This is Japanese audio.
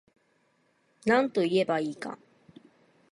なんといえば良いか